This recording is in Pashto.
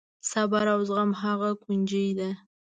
صبر او زغم هغه کونجي ده.